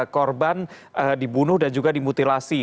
korban dibunuh dan juga dimutilasi